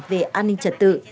về an ninh trật tự